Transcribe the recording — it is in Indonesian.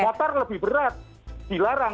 motor lebih berat dilarang